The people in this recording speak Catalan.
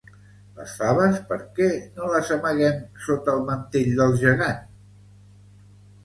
Les faves per què no les amaguem sota el mantell del gegant?